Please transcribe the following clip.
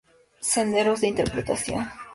Senderos de interpretación.